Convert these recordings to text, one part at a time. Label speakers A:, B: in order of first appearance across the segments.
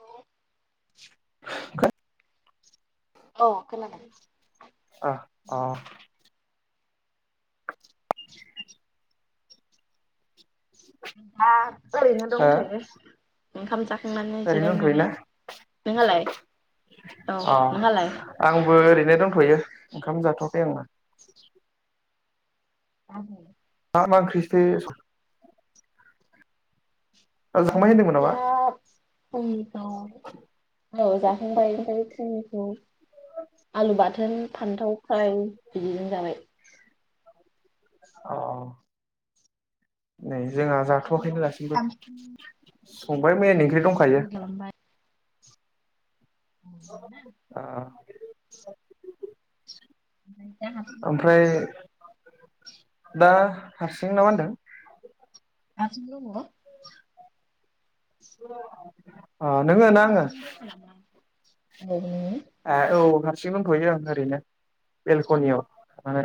A: औ
B: [unintelligible]
A: औ खोनादों
B: अ औ
A: आं ओरैनो
B: हो
A: दंथयो ओंखाम जाखांनानै
B: ओरैनो
A: जिरायनानै
B: दंथ'योना
A: नोंहालाय औ नोंहालाय
B: नों दंथयो ओंखाम जाथवाखै आरोना
A: [unintelligible]
B: [unintelligible] मा मा ओंख्रिथो स- जाखांबाय होनदोंमोन
A: बे
B: नामा
A: औ
B: [unintelligible]
A: औ जाखांबाय आमफाय फुंनिखौ आलु बाथोन फान्थाव फ्राय बिदिजों जाबाय
B: औ औ दै जोंहा जाथवाखैनो दासिमबो संबाय मैयानि ओंख्रि दंखायो औ [unintelligible]
A: ओमफाय दा हारसिं दङ नों?
B: दा हारसिं ना मा होनदों?
A: हारसिं दङो?
B: औ [unintelligible] अ नोङो
A: नों
B: ना आङो
A: हारसिं दङ नामा? औ [unintelligible]
B: ए औ हारसिं दंथयो आं ओरैनो बेलकनियाव माने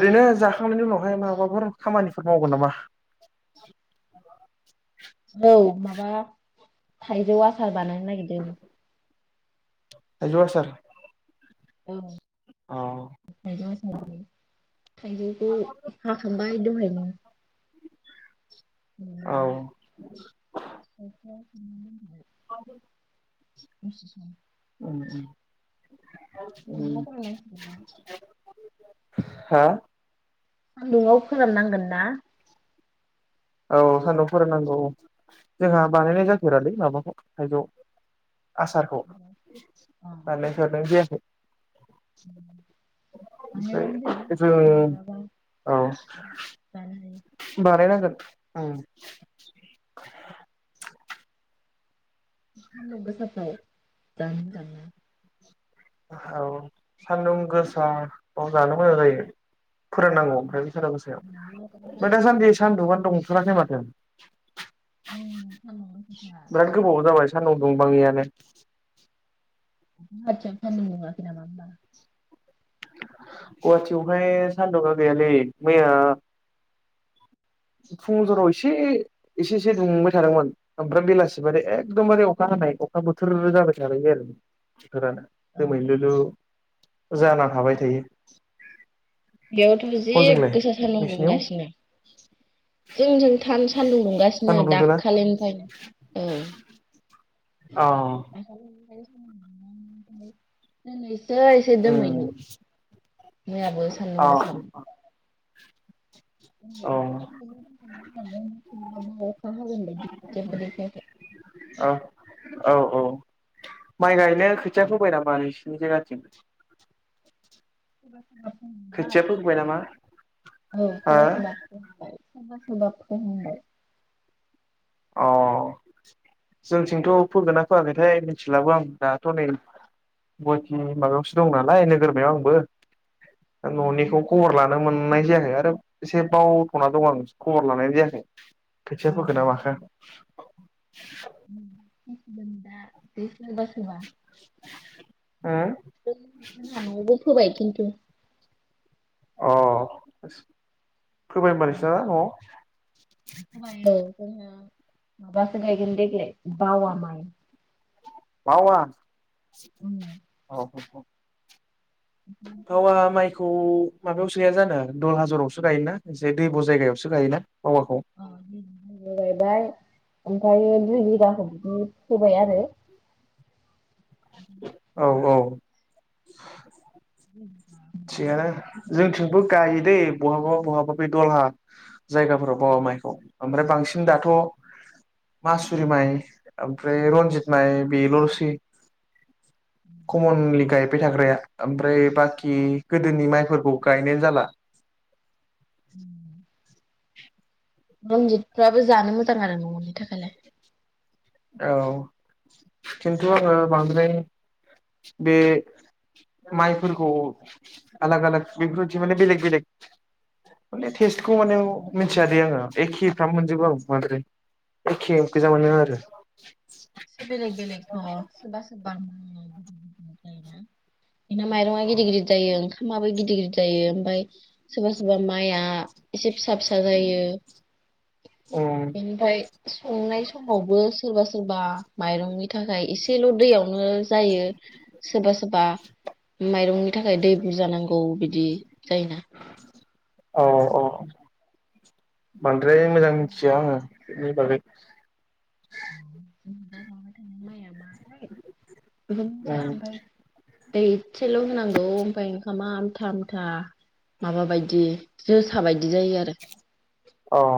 B: ओरैनो जा नायनि उनावहाय माबाफोर खामानिफोर मावगोन नामा
A: औ माबा थाइजौ आसार बानायनो नागिरदों
B: थायजौ आसार
A: औ
B: औ
A: थाइजौआ [unintelligible] सै थाइजौखौ हाखांबाय दहायनो
B: औ
A: माबाय [unintelligible] लांदां आ स [unintelligible]
B: उ उ
A: सान्दुंआव
B: [unintelligible]
A: फोराननांसिगोन ना
B: उ [unintelligible] हो?
A: सान्दुङाव फोराननांगोन ना?
B: औ सानदुं फोरोंनांगौ जोंहा बानायनाय जफेरालै माबाखौ थायजौ आसारखौ।
A: अ
B: बानायफेरनाय जाखै [inaudible]
A: बानायनानै दोन
B: ओमफ्राय जों
A: मालाबा
B: [inaudible] औ
A: जानो हायो
B: [inaudible] बानायनांगोन ओम [inaudible]
A: सानदुं गोसाफ्राव जानो मोजां ना।
B: औ सान्दुं गोसायाव जानो मोजां जायो, फोरोंनांगौ ओमफ्राय। सान्दुं गोसायाव
A: मोजां
B: ओमफ्राय दा सान्दि
A: सान्दुं
B: सान्दुंआानो दुंथेराखै [unintelligible]
A: [unintelligible] सान्दुं गोसाथार
B: बिराद गोबाव जाबाय सान्दुं दुंबाङैयानो
A: [unintelligible] सान्दुं दुङाखै नामा होमबा?
B: गुवाहाटियावहाय सान्दुङा गैयालै। मैया फुं जराव एसे एसे एसे दुंबाय थादोंमोन ओमफ्राय बेलासि मे एखदमबारे अखा हानाय अखा बोथोर जाबाय नालाय आरो। [unintelligible]
A: औ
B: दोमैलु लु जाना थाबाय थायो
A: बेयावथ' जि
B: हजोंलाय
A: गोसा सान्दुं
B: नोंसिनियाव
A: दुंगासिनो। जोंजों थानो सान्दुं दुंगासिनो
B: सान्दुं दुंदोना
A: दाखालिनिफ्रायनो औ। [unintelligible]
B: अ
A: [unintelligible] [unintelligible] एसे
B: उम
A: दोमैलु, मैयाबो सान्दुं
B: अ
A: गोसामोन
B: औ औ
A: [unintelligible] जेबो देखायाखै
B: औ औ, माइ गायनो खोथिया फोबाय नामा नोंसिनि जायगाथिं?
A: [unintelligible] औ सोरबा
B: खोथिया फोबाय नामा हो
A: सोरबा [unintelligible] सोरबा सोरबा फोहांबाय
B: अ जोंथिंथ' फोगोन ना फोआखैथाय मिथिलाबो आं दाथ' नै गुवाहाटि माबायावसो दं नालाय नोगोरमायाव आंबो। न'निखौ खबर लानो मोननाय जायाखै आरो एसे बावथ'ना दं आं खबर लानाय जायाखै। खोथिया फोखोना माखो।
A: उ। [unintelligible] सोबासोबा।
B: उम
A: [unintelligible] न'आवबो फोबाय खिनथु।
B: अ। फोबाय होनबा नोंसिना न'आव?
A: [unintelligible] जोंहा माबासो गायगोन देग्लाय बावा माइ।
B: बावा?
A: अ
B: औ। बावा माइखौ माबायावसो गाया जानो दलहा जरावसो गायोना एसे दैब' जायगायावसो गायोना? पावाखौ
A: [unintelligible] गाय बाय। ओमफायो दुइ बिगाखौ बिदि फोबाय आरो।
B: औ औ। [inaudible]
A: [unintelligible]
B: थिगानो। जोंथिंबो गायो दैे बहाबा बहाबा बे दलहा जायगाफोराव बाबा माइखौ। ओमफ्राय बांसिन दाथ' मासुरि माइ ओमफ्राय रन्जित माइ बेल'सै। खम'नलि गाय बाय थाग्राया। ओमफ्राय बाखि गोदोनि माइफोरखौ गायनायानो जाला।
A: उ। रनजितफ्राबो जानो मोजां आरो न'नि थाखायलाय।
B: औ, खिन्थु ओ बांद्राय बे माइफोरखौ आलाग आलाग बेफोरबायदि माने बेलेग बेलेग माने टेस्टखौ माने मिथियादे आङो एखेफ्राम मोनजोबो आं बांद्राय एखे गोजा मोनो आरो। [inaudible]
A: एसे बेलेग बेलेग सोरबा सोरबा हो बि माइरङा गिदिर गिदिर जायो। ओं खानाबो गिदिर गिदिर जायो। ओमफ्राय सोरबा सोरबा माइया एसे फि फिसा फिसा जायो।
B: उम
A: बेनिफ्राय संनाय समावबो सोरबा सोरबा माइरंनि थाखाय य एसेल' दैयाव नो जायो सोरबा सोरबा माइरंनि थाखाय दै बुरजा नांगौ बिदि जायोना।
B: औ औ औ‌ बांद्राय
A: ओमफ्राय
B: मोजां
A: जोंहा
B: मिथिया
A: दा
B: आङो बेनि बागै। [inaudible]
A: [unintelligible] मोजां मोन्थिया
B: उम
A: ओमफ्राय दै एसेल' होनांगौ ओमफ्राय ओंखामा आमथा आमथा माबा बायदि जोसा बाय
B: अ औ।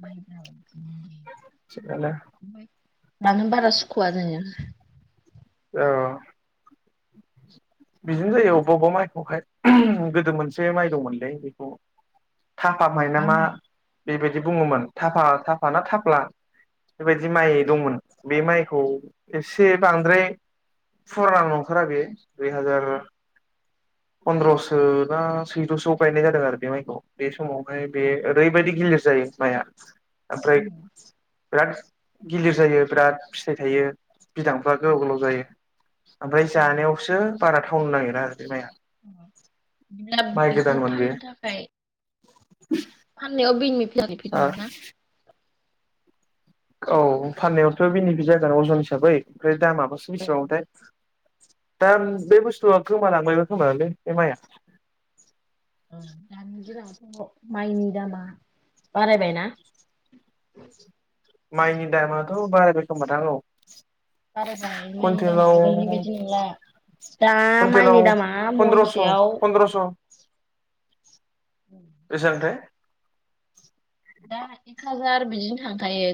A: मायनाव
B: थिगानो
A: जानो बारा सुखुआ जोङो।
B: औ बिदिनो जायो अबेबा अबेबा माइखौहाय। गोदो मोनसे माइ दंमोनलै बेखौ थाफा माय ना मा बेबायदि बुङोमोन थाफा थाफाना थाफ्ला। बेबायदि माइ दंमोन। बे माइखौ एसे बांद्राय फुराना नंथारा बे दुइ हाजार फन्द्रसो ना सैद'सोआव गायनाय जादों आरो बे माइखौ। बे समावहाय बे ओरैबायदि गिलिर जायो माइआ ओमफ्राय बिराद गिलिर जायो बिराद फिथाइ थायो बिदांफ्रा गोलाव गोलाव जायो। ओमफ्राय जानायावसो बारा थावनो नागिरा आरो माइया।
A: [unintelligible] बेखौ
B: गोदानमोन बे
A: फाननो थाखाय
B: [inaudible]
A: फान्नायाव बैनि [unintelligible] फिद मोनो ना
B: औ फाननायावथ' बेनिफिट जागोन अजन हिसाबै। ओमफ्राय दामाबासो
A: औ
B: बिसेबांमोनथाय? दा बे बुस्थुआ गोमालांबायबो खोमालै बे माइया।
A: ओं दानि दिनाव माइनि दामा बारायबायना?
B: माइनि दामाथ' बारायबाय खोमादां औ।
A: बारायबाय माइनि दामा
B: कुइन्टेलाव
A: आगोलनि बायदि नंला। दा माइनि
B: कुइन्टेलाव
A: दामा
B: फन्द्रस'
A: महनसेयाव
B: फन्द्रस' बेसेबांथाय
A: दा एक हाजार बिदिनो थांखायो।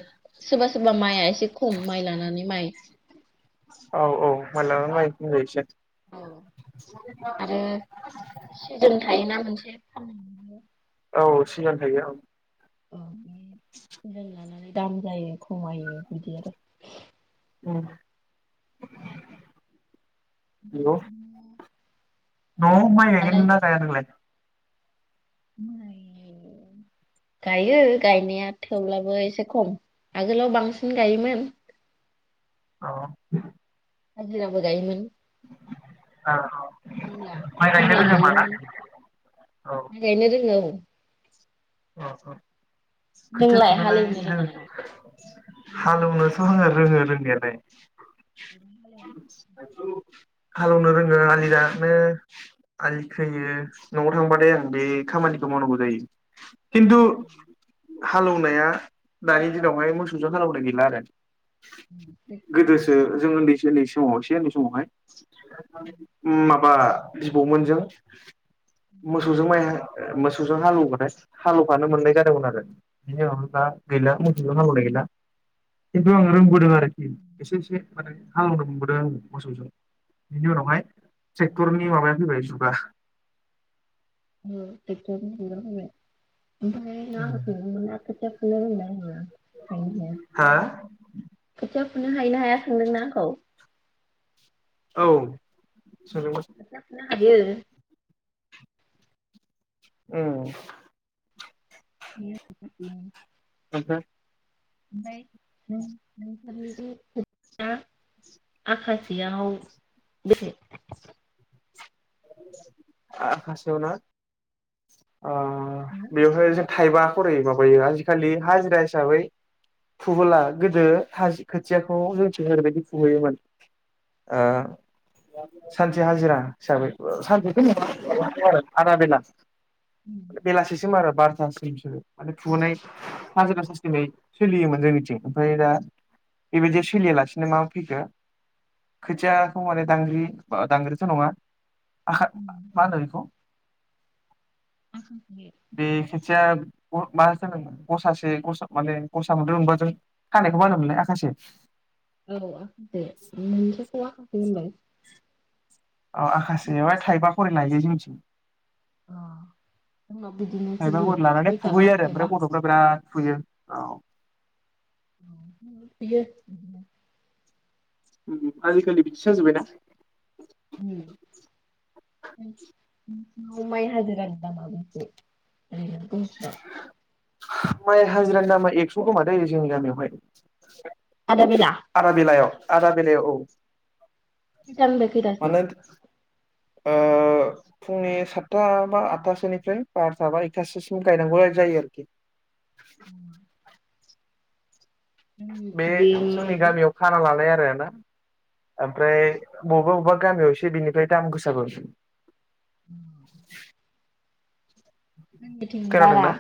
A: सोरबा सोरबा माइआ ए से खम माइ लानानै माइ।
B: औ औ माइ लानानै माइ
A: अ आरो सिजोन थायोना मोनसे फान [inaudible]
B: औ सिगां थायो औ‌।
A: अ। ए सिजोन लानानै दाम जायो खमायो बिदि आरो।
B: उम। हेलौ।
A: आरो औ
B: न'आव माइ
A: दालाय
B: गायगोन ना गाया नोंलाय?
A: माइ गायो गायनाया थेवब्लाबो एसे खम आगोलाव बांसिन गायोमोन।
B: अ।
A: हाजिराबो गायोमोन।
B: [unintelligible]
A: खामला
B: माइ गायनो
A: खामला
B: रोङो होमबा ना
A: गायोमोन माइ गायनो रोङो औ।
B: अ अ। खोथिया
A: नोंलाय
B: फुनोलाय
A: हालेवनो रोङा
B: रोङो
A: नामा?
B: खो हालेवनोथ' आङो रोङो रोंनायालाय।
A: [inaudible]
B: हालेवनो रोङो आलि दाननो आलि खैयो न'आव थांबाथाय आं बे खामानिखौ मावनांगौ जायो। खिन्थु हालौनाया दानि दिनावहाय मोसौजों हालौनाय गैला आरो। गोदोसो जों उन्दै उन्दै समाव सेै समावहाय [unintelligible] बा बिबौमोनजों मोसौजों माइ मोसौजों हालेवो बाथाय हालौफानो मोननाय जादोंमोन आरो बेनि उनाव दा गैला मोसौजों हालेवनाय गैला किन्तु आं रोंबोदों आरो। एसे एसे माने हालेवनो मोनबोदों मोसौजों बिनि उनावहाय टेक्टरनि माबाया फैबाय जुग। गा।
A: औ टेकटरनि जुगा फैबाय। ओमफाय नों आंखौ सोंदोंमोनना खोथिया फुनो रोंगोना रोङा गायनो हाया
B: हा
A: खोथिया फुनो हायो ना हाया सोंदों ना आंखौ?
B: औ। सोंदोंमोन।
A: खोथिया फुनो हायो।
B: उम।
A: [unintelligible]
B: ओमफ्राय
A: ओमफाय नों नोंसोरनि बै खोथिया आखासेयाव बेसे?
B: आखासेयावना? अ बेवहाय जों थाइबा खरै माबायो आजिखालि हाजिरा हिसाबै फुबोला गोदो खा-खोथियाखौ जोंसो ओरैबायदि फुहैयोमोन ओ सानसे हाजिरा हिसाबै सानसेथ' नङा आदा बेला। बेलासिसिम आरो बार'थासिम बिसोरो माने फुहोनाय हाजिरा साजिरायै सोलियोमोन जोंनिथिं ओमफाय दा बेबायदि सोलियालासिनो मा फैखो खोथियाखौ माने दांग्रि दांग्रिथ' नङा आखा मा होनो बेखौ? बे खेनसेआ मा [unintelligible] गसासे गसा माने गसा मोनब्रै मोनबा जों खानायखो मा होनोमोनलाय आखासे?
A: औ आखासे खौ आखासे होनबाय।
B: ओ आखासेयावहाय थाइबा खरे लायो जोंनिथिं।
A: अ जोंनाव बिदिनो
B: थाइबा
A: सोलियो
B: खरे
A: सय
B: लानानै
A: थाखा
B: फुहैयो आरो
A: थाइबा
B: ओमफ्राय गथ'फ्रा बिराद फुयो औ
A: बियो
B: उम उम आजिखालि बिदिसो जाजोबबाय ना?
A: माय हाजिरानि दामा बेसे? ओरैनो गंसेयाव
B: [inaudible] माइ हाजिरानि दामा एकस' खोमा दैे जोंनि गामियावहाय
A: आदा बेला
B: आदा बेलायाव। आदा बेलायाव औ।
A: खौथानिफ्राय फ्राय खैथासिम
B: मानो ओ फुंनि सातथा बा आठथासोनिफ्राय बारथा बा एकथासोसिम गायनांगौ जायो आरोखि। [inaudible] बे
A: जोंनिथिं
B: जोंनि गामियाव खाना लालाय आरो। आरोना ओमफ्राय बबेबा बबेबा गामियावससे बिनिफ्राय दाम गोसाबो। [inaudible]
A: जोंनिथिं बारा
B: खोनादोंना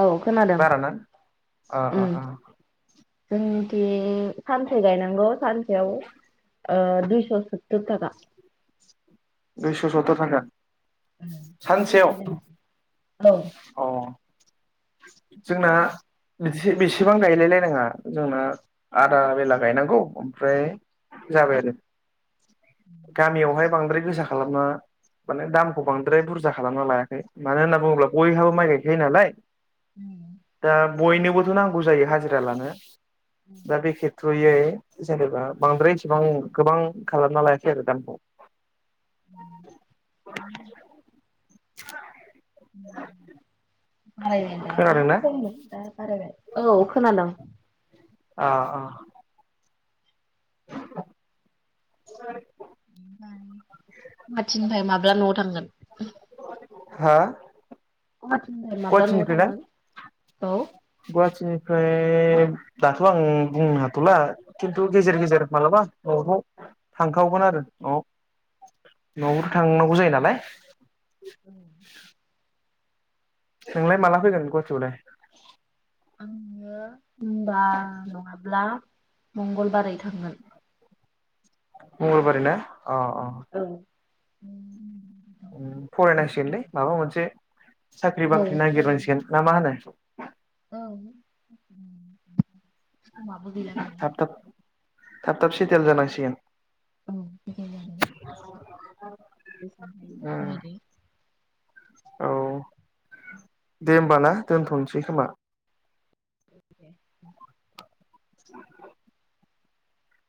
A: औ खोनादों
B: बाराना ओ
A: उम
B: ओ ओ
A: जोंनिथिं। सानसे गायनांगौ। सेयाव ओ दुइस' सो [unintelligible]
B: दुयस सुथुर थाखा। सानसेयाव अ।
A: [unintelligible]
B: मोनसे बेसेबां गायलायलाय नङा जोंना आदा बेला गायनांगौ ओमफ्राय जाबाय आरो। गामियावहाय बांद्राय गोसा खालामा माने दामखौ बांद्राय बुरजा खालामना लायाखै मानो होनना बुङोब्ला बयहाबो माइ गायखायो नालाय। दा बयनोबोथ' नांगौ जायो हाजिरा लानो। दा बे खेत्रयै जेनेबा बांद्राय एसेबां गोबां खालामना लायाखै आरो दामखौ।
A: उम।
B: [unintelligible]
A: उम। बारायबाय आरो आगोलाव
B: खोनादोंना
A: खमोन दा बारायबाय। औ खोनादों।
B: अ अ। [unintelligible]
A: ओ [unintelligible] माब्ला न'आव थांगोन?
B: हो?
A: गुवाहाटिनिफ्राय माब्ला न'आव
B: गुवाहाटिनिफ्राय ना
A: थांगोन औ
B: गुवाहाटिनिफ्राय दाथ' आं बुंनो हाथ'ला खिन्थु गेजेर गेजेर मालाबा न'फ्राव थांखावगोन आरो न'आव। न'आवबोथ' थांनांगौ जायो नालाय। [unintelligible]
A: [unintelligible]
B: नोंलाय माला फैगोन गुवाहाटियावलाय?
A: आङो [unintelligible] नङाब्ला मंगलबारै थांगोन।
B: मंगलबारैना? अ अ।
A: औ [unintelligible]
B: उम फरायनांसिगोनलै माबा मोनसे साख्रि
A: औ
B: -बाख्रि नागिरनांसिगोन। ना मा होनो?
A: औ [inaudible] समाबो गैलानालाय।
B: थाब थाब थाब थाब सेटेल जानांसिगोन।
A: औ
B: उम
A: [unintelligible]
B: औ दे ओमबा ना दोनथ'नोसै खोमा?
A: औ दे
B: [inaudible]